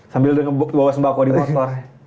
sambil dia bawa sembako di motor